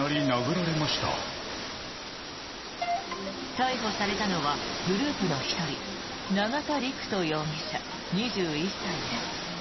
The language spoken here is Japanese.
逮捕されたのはグループの１人永田陸人容疑者、２１歳です。